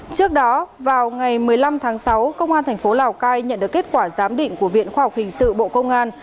trước đó vào ngày một mươi năm tháng sáu công an tp lào cai nhận được kết quả giám định của viện khoa học hình sự bộ công an